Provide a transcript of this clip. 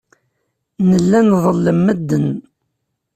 Nella nḍellem medden.